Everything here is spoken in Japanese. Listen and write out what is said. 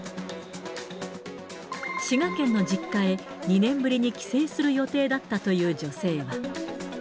滋賀県の実家へ２年ぶりに帰省する予定だったという女性は。